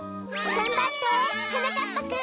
がんばってはなかっぱくん！